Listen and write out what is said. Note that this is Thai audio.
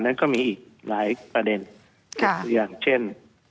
นั้นก็มีอีกหลายประเด็นอย่างเช่น